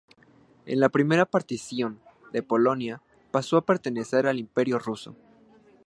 En la Primera partición de Polonia pasó a pertenecer al Imperio ruso.